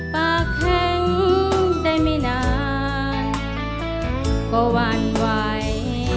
ปากแข็งได้ไม่นานก็หวั่นไหว